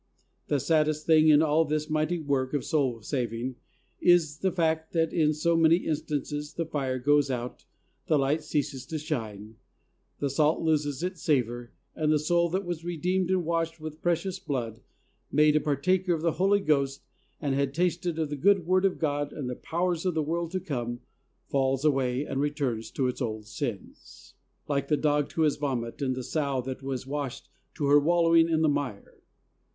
The saddest thing in all this mighty work of soul saving is the fact that in so many instances the fire goes out, the light ceases to shine, the salt loses its savor, and the soul that was redeemed and washed with "precious Blood," "made a partaker of the Holy Ghost," and had "tasted the good word of God and the powers of the world to come," falls away and returns to its old sins, "like the dog to his vomit" and the "sow that was KEEPING THE FLOCK. 119 washed to her wallowing in the mire."